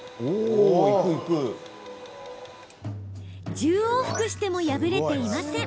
１０往復しても破れていません。